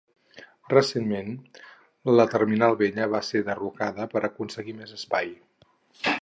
Recentment la terminal vella va ser derrocada per aconseguir més espai.